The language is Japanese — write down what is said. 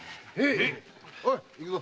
おい行くぞ！